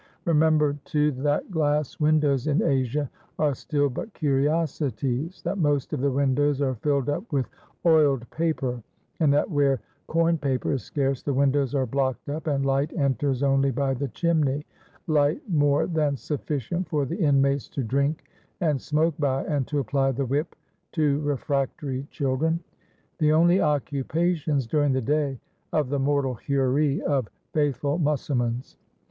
Remember, too, that glass windows in Asia are still but curiosities; that most of the windows are filled up with oiled paper, and that where corn paper is scarce the windows are blocked up, and light enters only by the chimney light more than sufficient for the inmates to drink and smoke by and to apply the whip to refractory children the only occupations during the day of the mortal houris of faithful Mussulmans.